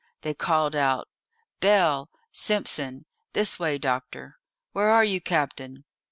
They called out, "Bell!" "Simpson!" "This way, doctor!" "Where are you, captain?"